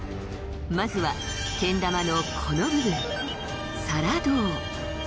まずはけん玉のこの部分「皿胴」